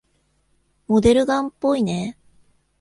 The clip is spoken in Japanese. モデルガンっぽいね。